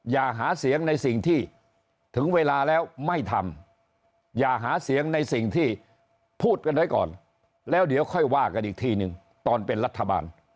อย่าหาเสียงในสิ่งที่ถึงเวลาแล้วไม่ทำอย่าหาเสียงในสิ่งที่พูดกันไว้ก่อนแล้วเดี๋ยวค่อยว่ากันอีกทีหนึ่งตอนเป็นรัฐบาล